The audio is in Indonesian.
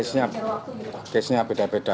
sekolahnya siapa pak